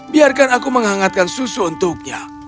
biarkan aku menghangatkan susu untuknya